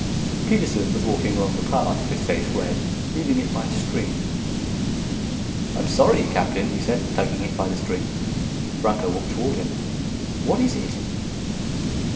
Peterson was walking along the path, his face red, leading it by a string. "I'm sorry, Captain," he said, tugging at the string. Franco walked toward him. "What is it?"